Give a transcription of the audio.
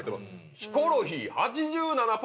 ヒコロヒー８７％！